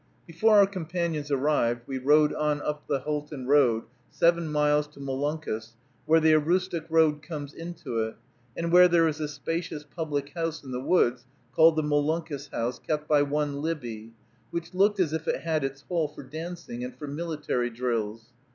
Before our companions arrived, we rode on up the Houlton road seven miles to Molunkus, where the Aroostook road comes into it, and where there is a spacious public house in the woods, called the "Molunkus House," kept by one Libbey, which looked as if it had its hall for dancing and for military drills.